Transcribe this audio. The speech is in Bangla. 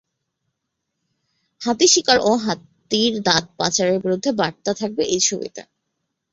হাতি শিকার ও হাতির দাঁত পাচারের বিরুদ্ধে বার্তা থাকবে এই ছবিতে।